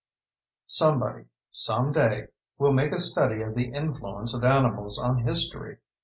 Somebody someday will make a study of the influence of animals on history.